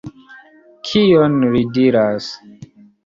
Kion li diras?